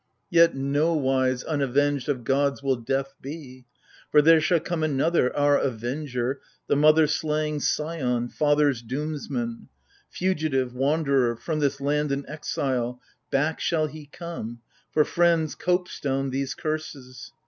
109 Yet nowise unavenged of gods will death be : For there shall come another, our avenger, The mother slaying scion, father's doomsman : Fugitive, wanderer, from this land an exile, Back shall he come,— for friends, copestone these curses